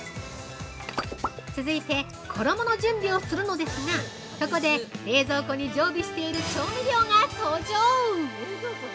続いて、衣の準備をするのですがここで、冷蔵庫に常備している調味料が登場。